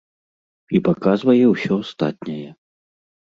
І паказвае ўсё астатняе.